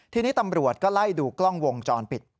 ทีนี้ตำรวจก็ไล่ดูกล้องวงจรปิด